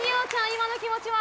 今の気持ちは？